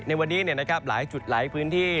ในวันนี้หลายจุดหลายพื้นที่